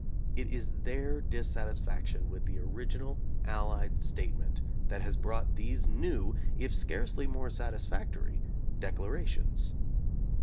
It is their dissatis faction with the original Allied statement that has brought these new, if scarcely more satisfactory, declarations.